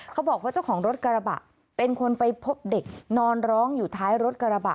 เขาบอกว่าเจ้าของรถกระบะเป็นคนไปพบเด็กนอนร้องอยู่ท้ายรถกระบะ